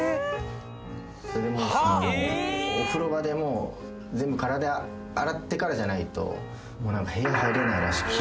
「うん」お風呂場で全部体洗ってからじゃないと部屋入れないらしい。